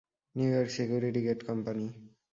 New York security gate company.